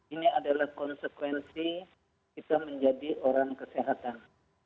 ini adalah konsekuensi kita menjadi orang kesehatan